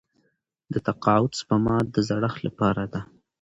د تقاعد سپما د زړښت لپاره ده.